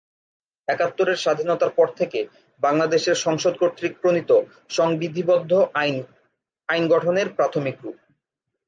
একাত্তরের স্বাধীনতার পর থেকে বাংলাদেশের সংসদ কর্তৃক প্রণীত সংবিধিবদ্ধ আইন আইন গঠনের প্রাথমিক রূপ।